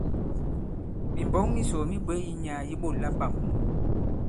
Mìmbɔ̌k misò mi bwě yi nyàà yi ɓôt labâm.